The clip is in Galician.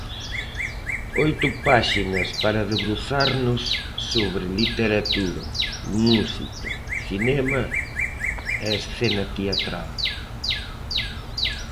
Oito páxinas para debruzarnos sobre literatura, música, cinema e escena teatral.